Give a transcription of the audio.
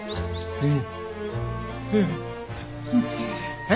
うん？